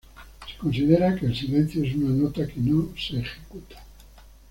Se considera que el silencio es una nota que no se ejecuta.